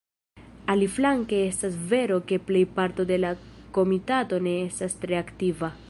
Aliflanke estas vero ke plejparto de la Komitato ne estas tre aktiva.